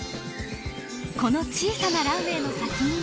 この小さなランウェイの先には。